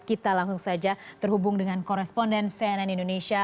kita langsung saja terhubung dengan koresponden cnn indonesia